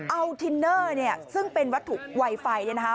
เอาทินเนอร์ซึ่งเป็นวัตถุไวไฟเนี่ยนะคะ